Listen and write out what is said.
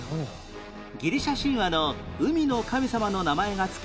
ギリシャ神話の海の神様の名前が付く